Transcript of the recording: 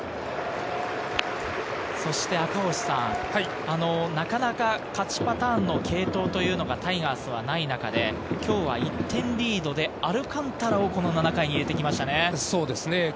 そして赤星さん、なかなか勝ちパターンの継投というのがタイガースはない中で、今日は１点リードでアルカンタラを７回に入れてきましたね。